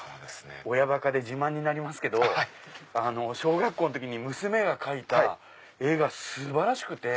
親ばかで自慢になりますけど小学校の時に娘が描いた絵が素晴らしくて。